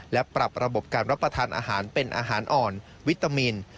และปรับระบบการรับประทานอาหารเป็นอาหารอ่อนวิตามิน